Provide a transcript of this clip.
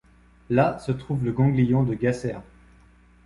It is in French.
Là se trouve le ganglion de Gasser.